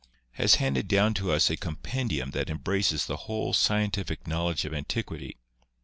has handed down to us a» compendium that embraces the whole scientific knowledge of antiquity.